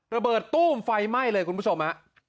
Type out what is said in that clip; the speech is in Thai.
ระเบิดตู้มไฟไหม้เลยคุณผู้ชมฮะ